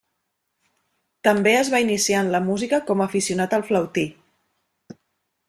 També, es va iniciar en la música com aficionat al flautí.